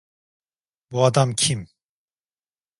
Bu adam kim?